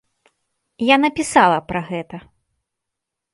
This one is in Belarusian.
Я напісала пра гэта.